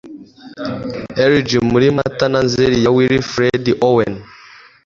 elegy muri mata na nzeri ya wilfred owen